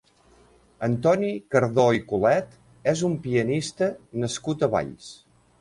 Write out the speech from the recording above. Antoni Cardó i Colet és un pianista nascut a Valls.